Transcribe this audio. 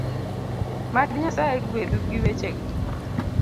Mad Nyasaye gwedhu gi wechego